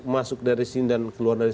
masuk dari sini dan keluar dari